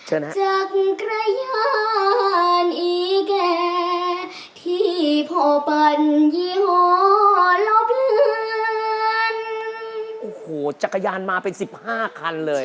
โอ้โหจักรยานมาเป็นสิบห้าคันเลย